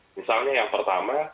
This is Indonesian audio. misalnya yang pertama